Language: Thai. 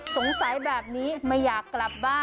สงสัยแบบนี้ไม่อยากกลับบ้าน